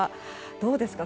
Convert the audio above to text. どうですか？